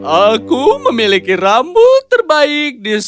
aku memiliki rambut terbaik di sini